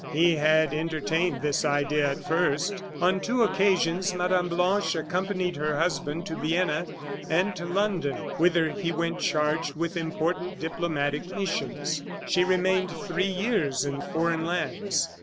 He had entertained this idea at first. On two occasions Mme. Blanche accompanied her husband to Vienna and to London, whither he went charged with important diplomatic missions. She remained three years in foreign lands.